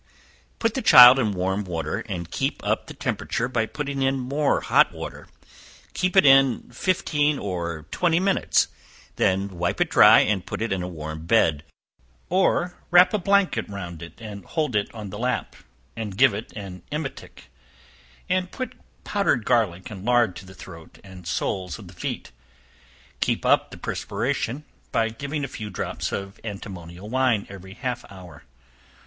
Put the child in warm water, and keep up the temperature by putting in more hot water; keep it in fifteen or twenty minutes, then wipe it dry and put it in a warm bed, or wrap a blanket round it and hold it on the lap; give it an emetic, and put powdered garlic and lard to the throat and soles of the feet; keep up the perspiration, by giving a few drops of antimonial wine every half hour.